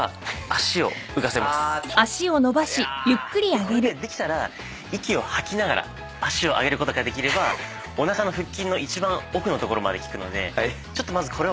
これでできたら息を吐きながら足を上げることができればおなかの腹筋の一番奥の所まで効くので。